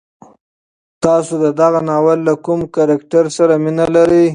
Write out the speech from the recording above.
تاسو د دغه ناول له کوم کرکټر سره مینه لرئ؟